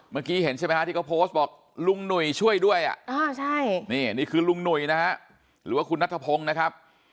เมื่อกี้เห็นใช่ไหมฮะที่เขาโพสต์บอกลุงหนุ่ยช่วยด้วยนี่คือลุงหนุ่ยนะฮะหรือว่าคุณนัทพงศ์นะครับ